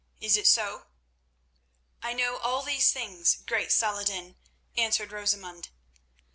Is it so?" "I know all these things, great Salah ed din," answered Rosamund.